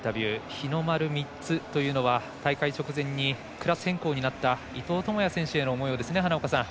日の丸３つというのは大会直前にクラス変更になった伊藤智也選手への思いですね。